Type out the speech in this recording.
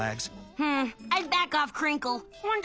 うん。